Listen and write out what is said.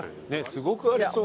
すごくありそうな。